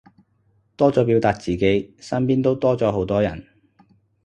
多咗表達自己，身邊都多咗好多人